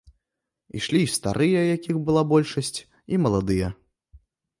Ішлі і старыя, якіх была большасць, і маладыя.